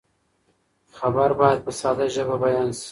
خبر باید په ساده ژبه بیان شي.